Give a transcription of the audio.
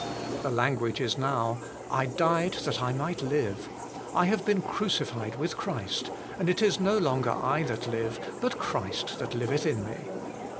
The language is now, ' I died that I might HOLINESS AND CRUCIFIXION. 155 live : I have been crucified with Christ, and it is no longer I that live, but Christ that liveth in me.'